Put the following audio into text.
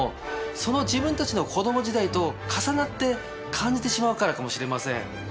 その自分たちの子供時代と重なって感じてしまうからかもしれません。